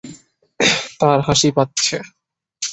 তার হাসি পাচ্ছে।